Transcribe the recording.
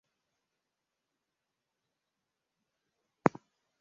Afrika lakini hasa wa jamii ya Wakushi wa Afrika MasharikiIdadi ya Wamasai wa